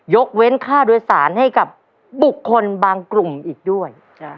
ยกเว้นค่าโดยสารให้กับบุคคลบางกลุ่มอีกด้วย